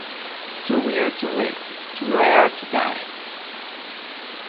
Too Weird to Live, Too Rare to Die!